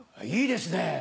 いいですね。